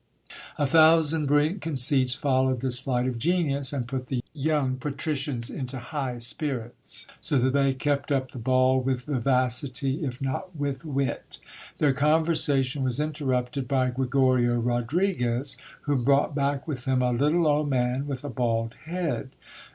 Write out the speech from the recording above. '* A thousand brilliant conceits followed this flight of genius, and put the young patricians into high spirits, so that they kept up the ball with vivacity, if not with wit. Their conversation was interrupted by Gregorio Rodriguez, who brought back with him a little old man with a bald head.